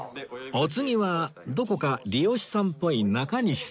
お次はどこか理容師さんっぽい中西さん